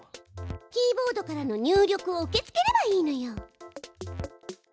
キーボードからの入力を受け付ければいいのよ。